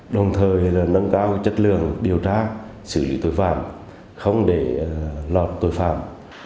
đồng thời là nâng cao chất lượng điều tra xử lý tội phạm không để lọt tội phạm